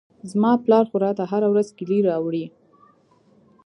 زما پلار خو راته هره ورځ کېلې راوړي.